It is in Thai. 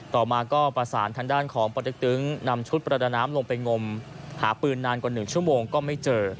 ต่อมาก็ประสานทางด้านของปตึ๊กตึงนำชุดประดาน้ำลงไปงมหาปืนนานกว่า๑ชั่วโมงก็ไม่เจอ